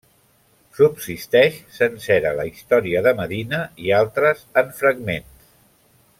Subsisteix sencera la història de Medina i altres en fragments.